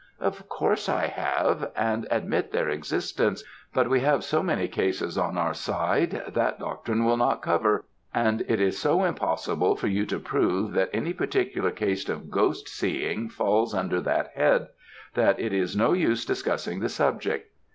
"Of course I have, and admit their existence; but we have so many cases on our side, that doctrine will not cover, and it is so impossible for you to prove that any particular case of ghost seeing falls under that head, that it is no use discussing the subject.